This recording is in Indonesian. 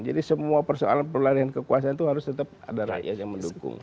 jadi semua persoalan perlalian kekuasaan itu harus tetap ada rakyat yang mendukung